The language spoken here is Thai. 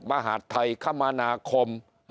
มหัฒธัยคมนาคม